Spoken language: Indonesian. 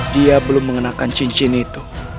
dia belum mengenakan cincin itu